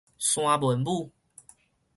山蚊母